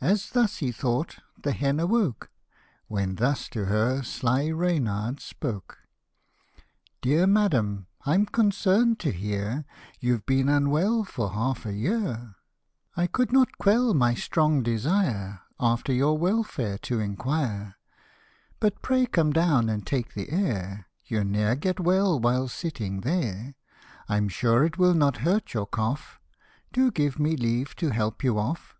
As thus he thought, the hen awoke, When thus to her sly Reynard spoke. " Dear madam, I'm concern'd to hear, You've been unwell for half a year ; p. 66. Tlie FOZSL& the Hen. Tlie Tor t oi s e. 67 I could not quell my strong desire After yoiur welfare to inquire ; But pray come down and take the air ; You'll ne'er get well while sitting there ; Fm sure it will not hurt your cough, Do give me leave to help you off."